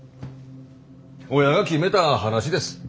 親が決めた話です。